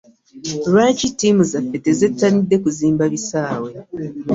Lwaki ttiimu zaffe tezettanidde kuzimba bisaawe?